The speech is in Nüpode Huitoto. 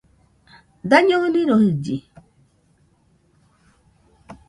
Daño ɨnɨroi jɨlli